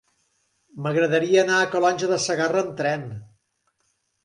M'agradaria anar a Calonge de Segarra amb tren.